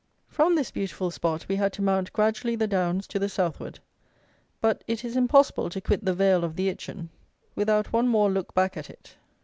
From this beautiful spot we had to mount gradually the downs to the southward; but it is impossible to quit the vale of the Itchen without one more look back at it.